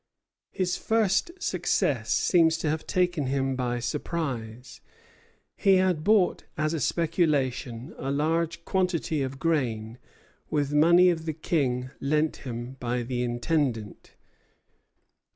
His first success seems to have taken him by surprise. He had bought as a speculation a large quantity of grain, with money of the King lent him by the Intendant.